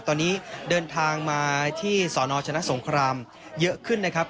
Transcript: ตอนนี้เดินทางมาที่สนชนะสงครามเยอะขึ้นนะครับ